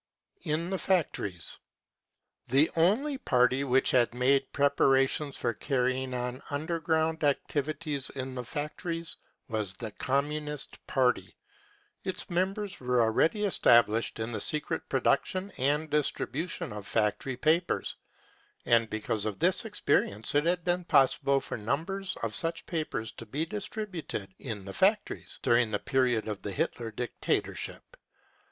In the Factories. The only party which had made pre parations for carrying on underground activity in the fac tories was the Communist Party. Its members were already # I 4 •V fr. german workers' fight against fascism 337 established, in the secret production and distribution of factory papers. And because of this experience, it has been possible for numbers of such papers to be distributed in the factories during the period of the Hitler dictatorship.